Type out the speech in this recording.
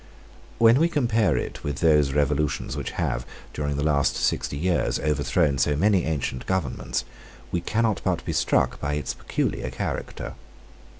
When we compare it with those revolutions which have, during the last sixty years, overthrown so many ancient governments, we cannot but be struck by its peculiar character.